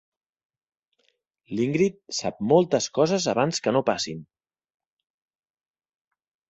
L'Ingrid sap moltes coses abans que no passin.